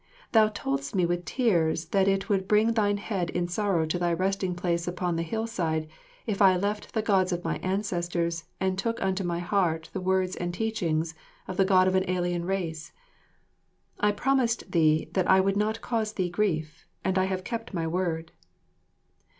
Thou toldst me with tears that it would bring thine head in sorrow to thy resting place upon the hillside if I left the Gods of my ancestors and took unto my heart the words and teachings of the God of an alien race. I promised thee that I would not cause thee grief, and I have kept my word.